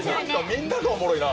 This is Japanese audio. みんながおもろいな。